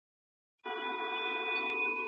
کمپيوټر معيار کنټرولوي.